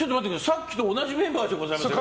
さっきと同じメンバーじゃないですか。